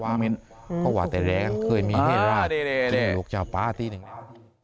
เขาหวัดแต่แรงเคยมีเวลาเก็บโรคจากแป๊ะอาทิตย์